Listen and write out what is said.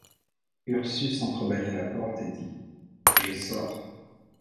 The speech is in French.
Ursus entre-bâilla la porte et dit: — Je sors.